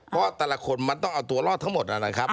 เพราะแต่ละคนมันต้องเอาตัวรอดทั้งหมดนะครับ